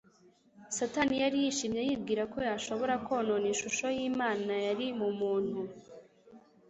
Satani yari yishimye, yibwira ko yashoboye konona ishusho y'Imana yari mu muntu.